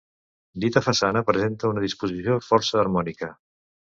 Dita façana presenta una disposició força harmònica.